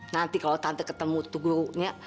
nanti kalau tante ketemu itu gurunya